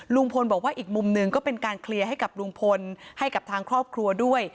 ลุงพลบอกว่าอีกมุมหนึ่งก็เป็นการเคลียร์ให้กับลุงพลให้กับทางครอบครัวด้วย